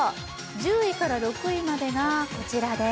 １０位から６位までがこちらです。